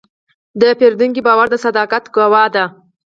د پیرودونکي باور د صداقت ګواه دی.